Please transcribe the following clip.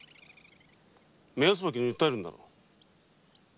目安箱に訴えるんだろう？